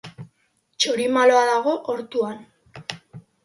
Txorimaloa dago ortuan.